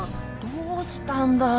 どうしたんだい！